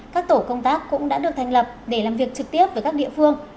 các tổ công tác cũng đã được thành lập để làm việc trực tiếp với các địa phương